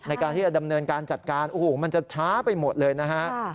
ในการที่จะดำเนินการจัดการโอ้โหมันจะช้าไปหมดเลยนะฮะ